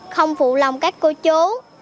không phụ lòng các cô chú